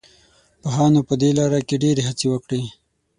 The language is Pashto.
پوهانو په دې لاره کې ډېرې هڅې وکړې.